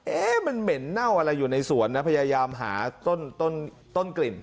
เอ๊ะมันเหม็นเน่าอะไรอยู่ในสวนนะพยายามหาต้นกลิ่น